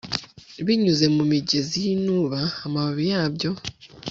Binyuze mu migezi yinuba amababi yabyo